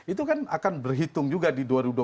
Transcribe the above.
itu kan akan berhitung juga di dua ribu dua puluh